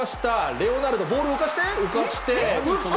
レオナルド、ボールを浮かして、浮かして、打つか？